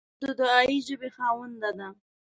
خور د دعایي ژبې خاوندې ده.